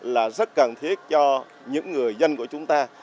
là rất cần thiết cho những người dân của chúng ta